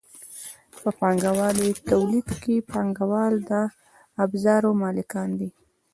په پانګوالي تولید کې پانګوال د ابزارو مالکان دي.